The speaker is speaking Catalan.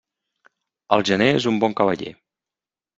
El gener és un bon cavaller.